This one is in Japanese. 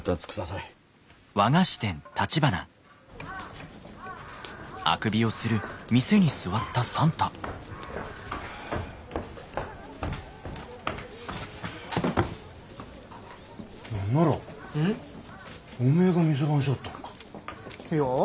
いや？